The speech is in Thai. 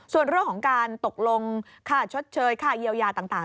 ส่วนเรื่องของการตกลงค่าชดเชยค่าเยียวยาต่าง